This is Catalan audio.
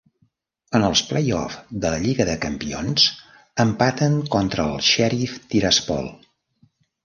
En els play-off de la Lliga de Campions, empaten contra el Sheriff Tiraspol.